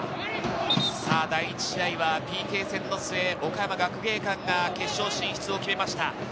第１試合はＰＫ戦の末、岡山学芸館が決勝進出を決めました。